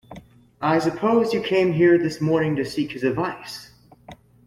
I suppose you came here this morning to seek his advice?